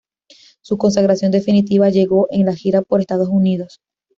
Su consagración definitiva llegó en la gira por Estados Unidos.